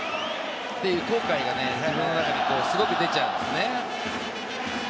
後悔がね、胸の中にすごく出ちゃうんですね。